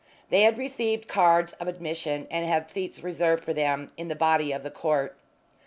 They had received cards of admission and had seats reserved for them in the body of the court.